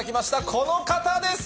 この方です。